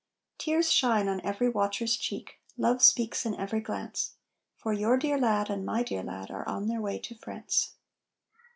Tears shine on every watcher's cheek, love speaks in every glance; For your dear lad, and my dear lad, are on their way to France.